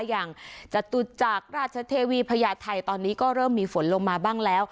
อย่างจตุจักรราชเทวีพญาไทยตอนนี้ก็เริ่มมีฝนลงมาบ้างแล้ว